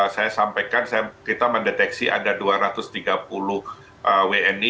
saya sampaikan kita mendeteksi ada dua ratus tiga puluh wni